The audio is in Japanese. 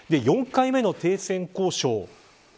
４回目の停戦交渉